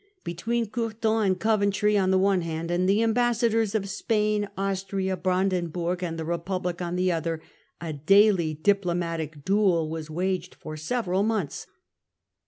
Between Courtin and Coventry on the one hand, and the ambassadors of Spain, Austria, Brandenburg, and the Republic on the other, a daily diplomatic duel was waged for several months.